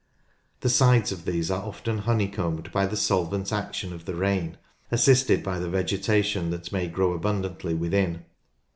The sides of these are often honeycombed by the solvent action of the rain assisted by the vegetation that may grow abundantly within.